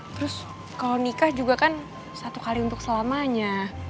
terus kalau nikah juga kan satu kali untuk selamanya